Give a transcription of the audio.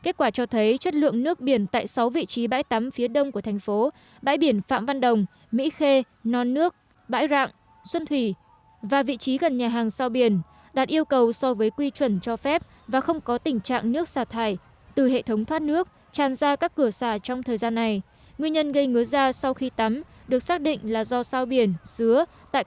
trước đó tại một số bãi tắm như phạm văn đồng mỹ khê non nước xuất hiện tình trạng người dân đi tắm biển và bị ngứa nổi đốm đỏ trên da